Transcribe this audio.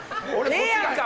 ええやんか